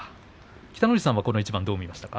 北の富士さんはこの一番どう見ましたか。